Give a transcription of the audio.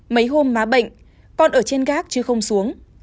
mấy hôm má bệnh con ở trên gác chứ không xuống